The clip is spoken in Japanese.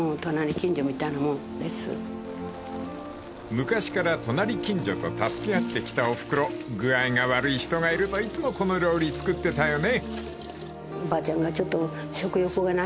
［昔から隣近所と助け合ってきたおふくろ具合が悪い人がいるといつもこの料理作ってたよね］